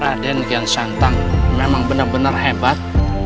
raden kiyang santang memang benar benar hebat